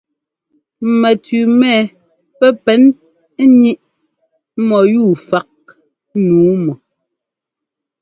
Mɛtʉʉ mɛ pɛ́ pɛn níꞌ mɔyúu fák nǔu mɔ.